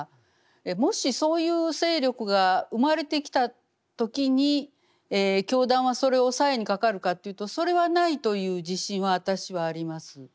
もしそういう勢力が生まれてきた時に教団はそれを抑えにかかるかというとそれはないという自信は私はあります。